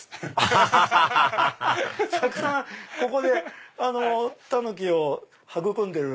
たくさんここでタヌキを育んでる。